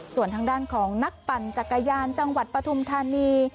ส่วนทางด้านของนักปั่นจักรยานจังหวัดปฐุมธานี